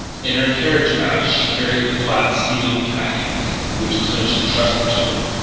In her cartridge pouch she carried the flat, sealed packet which Clinch had trusted to her.